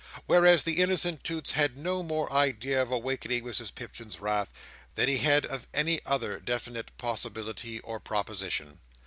Whereas the innocent Toots had no more idea of awakening Mrs Pipchin's wrath, than he had of any other definite possibility or proposition.